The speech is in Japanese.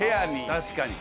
確かに。